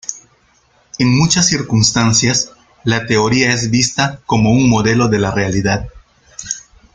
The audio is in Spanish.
En muchas circunstancias, la teoría es vista como un modelo de la realidad.